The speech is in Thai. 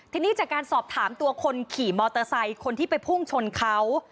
ทีนี้จากการสอบถามตัวคนขี่มอเตอร์ไซค์คนที่ไปพุ่งชนเขา